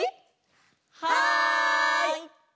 はい！